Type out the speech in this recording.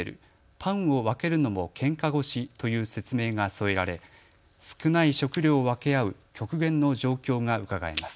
パンを分けるのもけんか腰という説明が添えられ少ない食料を分け合う極限の状況がうかがえます。